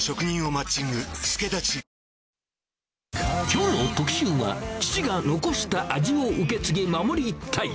きょうの特集は、父が残した味を受け継ぎ守りたい。